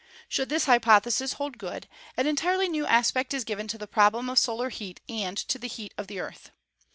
Should this hypothesis hold good, an en tirely new aspect is given to the problem of solar heat and to the heat of the Earth.